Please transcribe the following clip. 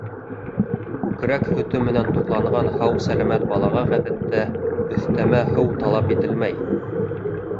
Күкрәк һөтө менән туҡланған һау-сәләмәт балаға ғәҙәттә өҫтәмә һыу талап ителмәй.